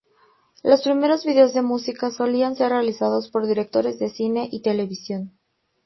Los primeros videos de música solían ser realizados por directores de cine y televisión.